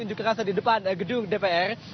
untuk di depan gedung dpr